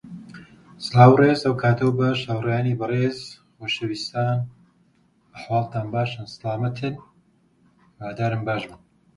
هەرگیز سێکسم نەکردووە.